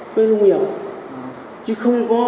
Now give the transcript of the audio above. cái đất này không hiểu